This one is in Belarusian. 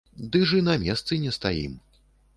Ды ж і на месцы не стаім.